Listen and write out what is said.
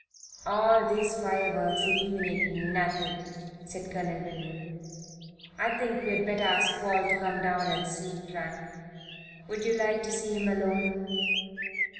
"All these fireworks illuminate nothing," said Colonel Winwood. "I think we had better ask Paul to come down and see Frank. Would you like to see him alone?"